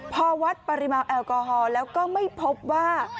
พอวัดปริมาณแอลกอฮอล์แล้วก็ไม่พบว่า